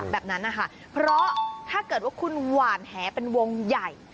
แบบนั้นนะคะเพราะถ้าเกิดว่าคุณหวานแหเป็นวงใหญ่